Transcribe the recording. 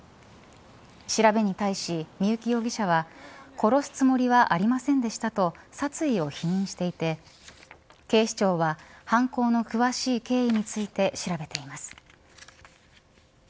調べに対し、三幸容疑者は殺すつもりはありませんでしたと殺意を否認していて警視庁は犯行の詳しい経緯について調べています。